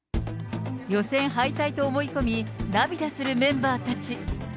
予選敗退と思い込み、涙するメンバーたち。